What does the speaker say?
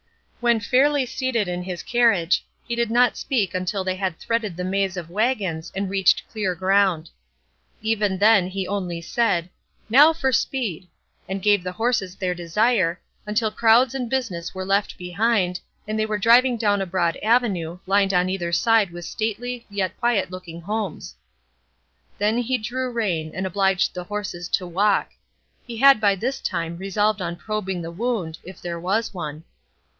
When fairly seated in his carriage he did not speak until they had threaded the maze of wagons and reached clear ground. Even then he only said, "Now for speed," and gave the horses their desire, until crowds and business were left behind, and they were driving down a broad avenue, lined on either side with stately yet quiet looking homes. Then he drew rein, and obliged the horses to walk; he had by this time resolved on probing the wound, if there was one.